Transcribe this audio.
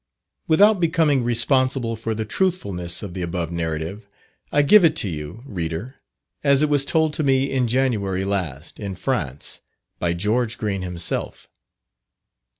Without becoming responsible for the truthfulness of the above narrative, I give it to you, reader, as it was told to me in January last, in France, by George Green himself.